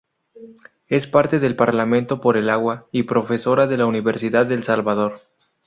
Es parte del Parlamento por el Agua y profesora de la Universidad del Salvador.